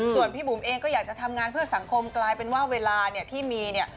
ส่วนพี่บุ๋มเองก็อยากจะทำงานเพื่อสังคมกลายเป็นว่าเวลาเนี่ยที่มีเนี่ย